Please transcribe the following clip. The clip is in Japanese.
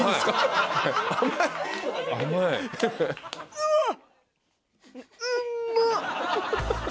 うわっ！